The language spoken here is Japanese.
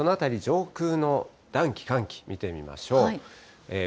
そのあたり、上空の暖気、寒気見てみましょう。